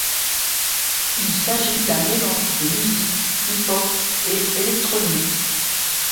Il s'agit d'un mélange de musique hip-hop et électronique.